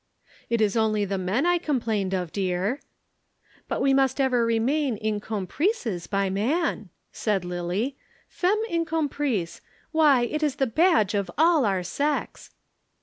"It is only the men I complained of, dear." "But we must ever remain incomprises by man," said Lillie. "Femme incomprise why, it is the badge of all our sex."